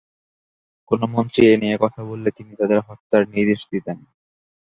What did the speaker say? কোনো মন্ত্রী এই নিয়ে কথা বললে তিনি তাদের হত্যার নির্দেশ দিতেন।